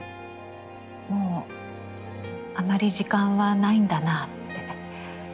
もうあまり時間はないんだなって。